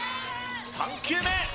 ３球目！